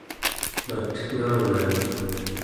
matngaunani